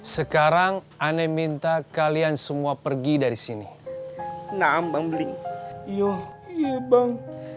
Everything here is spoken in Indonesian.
sekarang ane minta kalian semua pergi dari sini naam bangbeli iya iya bang